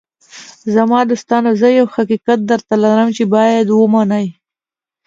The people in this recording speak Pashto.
“زما دوستانو، زه یو حقیقت درته لرم چې باید یې ومنئ.